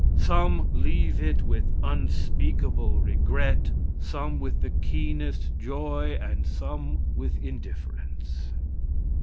Some leave it with unspeakable regret, some with the keenest joy, and some with indifference.